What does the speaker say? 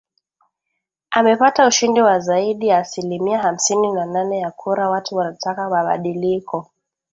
amepata ushindi wa zaidi ya asilimia hamsini na nane ya kuraWatu wanataka mabadiliko